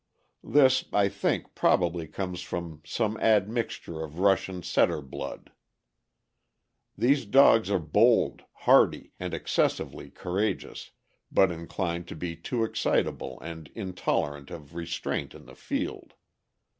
This, I think, probably comes from some admixture of Russian Setter blood. These dogs are bold, hardy, and excessively courageous, but inclined to be too excitable and intolerant of restraint in the field.